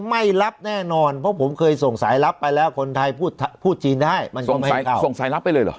ไม่รับแน่นอนเพราะผมเคยส่งสายลับไปแล้วคนไทยพูดจีนได้มันส่งสายลับไปเลยเหรอ